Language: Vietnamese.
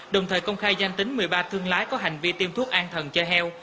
đồng thời công khai danh tính một mươi ba thương lái có hành vi tiêm thuốc an thần chơi heo